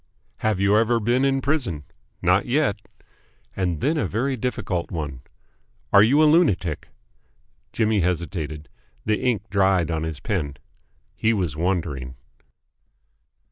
"Have you ever been in prison?" Not yet. And then a very difficult one. "Are you a lunatic?" Jimmy hesitated. The ink dried on his pen. He was wondering.